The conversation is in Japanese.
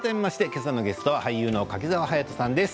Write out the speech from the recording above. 今朝のゲストは俳優の柿澤勇人さんです。